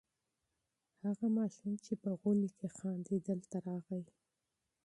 هغه ماشوم چې په دهلېز کې خاندي دلته راغی.